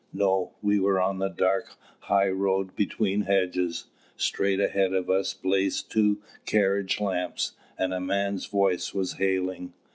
No; we were on the dark high road, between hedges. Straight ahead of us blazed two carriage lamps; and a man's voice was hailing.